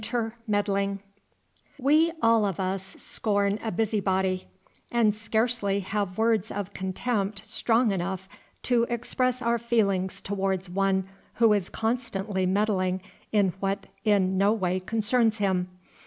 ] We all of us scorn a busybody, and scarcely have words of contempt strong enough to express our feelings towards one who is constantly meddling in what in no way concerns him.